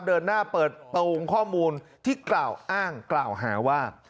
เดินหน้าเปิดตูงข้อมูลที่กล่าวอ้างกล่าวหาว่า